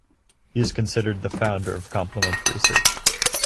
He is considered the founder of complement research.